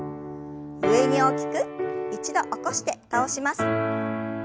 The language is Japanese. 上に大きく一度起こして倒します。